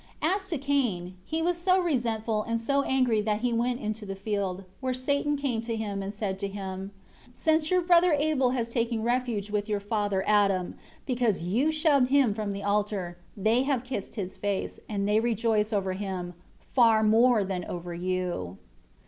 32 As to Cain, he was so resentful and so angry that he went into the field, where Satan came to him and said to him, "Since your brother Abel has taken refuge with your father Adam, because you shoved him from the altar, they have kissed his face, and they rejoice over him, far more than over you."